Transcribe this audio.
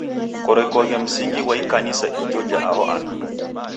Korekoghe msingi ghwa ikanisa ja aho andu.